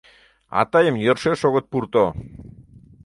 — А тыйым йӧршеш огыт пурто!